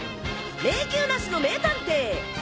迷宮なしの名探偵。